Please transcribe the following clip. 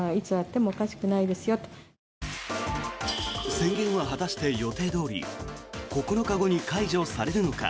宣言は果たして、予定どおり９日後に解除されるのか。